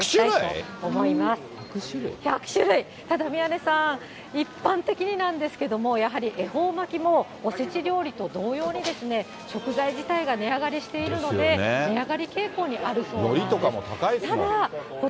ただ宮根さん、一般的になんですけれども、やはり、恵方巻きもおせち料理と同様に、食材自体が値上がりしているので、値上がり傾向にあるそうなんです。